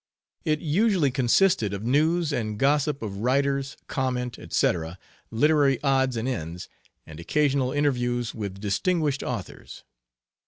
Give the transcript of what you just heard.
It usually consisted of news and gossip of writers, comment, etc., literary odds and ends, and occasional interviews with distinguished authors.